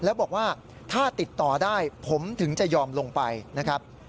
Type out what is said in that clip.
แล้วบอกว่าถ้าติดต่อได้ผมถึงจะยอมลงไปนะครับ